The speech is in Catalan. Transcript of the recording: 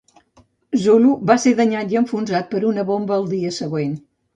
"Zulu" va ser danyat i enfonsat per una bomba al dia següent.